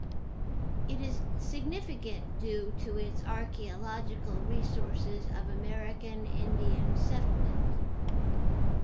It is significant due to its archaeological resources of American Indian settlement.